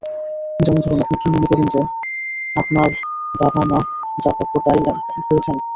যেমন ধরুন, আপনি কি মনে করেন যে আপনার বাবা যা প্রাপ্য তাই পেয়েছেন?